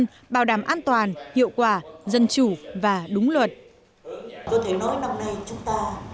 hào đảm an toàn hiệu quả dân chủ và đúng luật